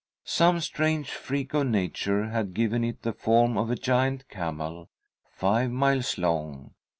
Some strange freak of nature had given it the form of a giant camel, five miles long.